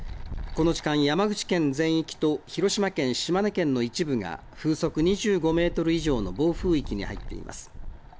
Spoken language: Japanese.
この時間、山口県全域と広島県、島根県の一部が風速２５メートル以上の暴風域に入っています。